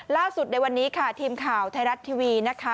ล่าสุดในวันนี้ทีมข่าวไทยรัฐทีวี